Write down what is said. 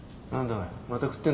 おい。